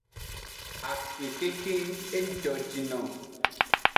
Akpe keke; ejojinung.